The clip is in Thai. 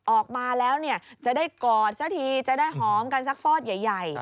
ออกมาแล้วจะได้กอดซะทีจะได้หอมกันสักฟอดใหญ่